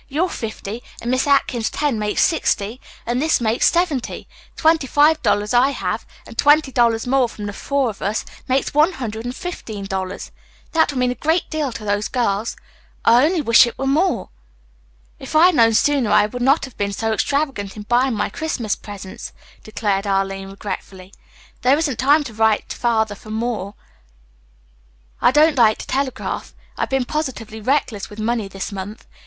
Your fifty, and Miss Atkins's ten makes sixty, and this makes seventy. The twenty five dollars I have and twenty dollars more from the four of us makes one hundred and fifteen dollars. That will mean a great deal to those girls. I only wish it were more." "If I had known sooner I would not have been so extravagant in buying my Christmas presents," declared Arline regretfully. "There isn't time to write Father for money. I don't like to telegraph. I've been positively reckless with money this month.